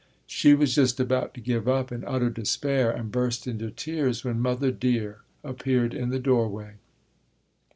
She was just about to give up in utter despair and burst into tears when Mother Dear appeared in the doorway.